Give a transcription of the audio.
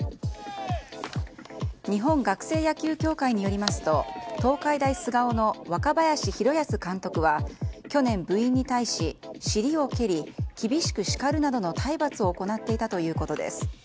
日本学生野球協会によりますと東海大菅生の若林弘泰監督は去年、部員に対し尻を蹴り厳しく叱るなどの体罰を行っていたということです。